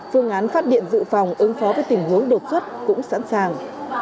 phương án phát điện dự phòng ứng phó với tình huống đột xuất cũng sẵn sàng